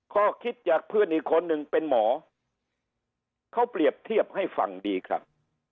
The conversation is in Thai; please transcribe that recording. ข้อคิดจากเพื่อนอีกคนหนึ่งเป็นหมอเขาเปรียบเทียบให้ฟังดีครับ